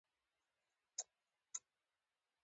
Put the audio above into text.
پر ټوله لاره مو د خدای جل جلاله حمد او ثنا ووایه.